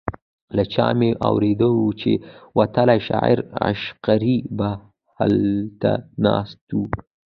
له چا مې اورېدي وو چې وتلی شاعر عشقري به هلته ناست و.